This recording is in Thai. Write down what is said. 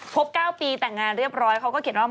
๙ปีแต่งงานเรียบร้อยเขาก็เขียนว่า